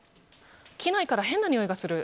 機内から変なにおいがする。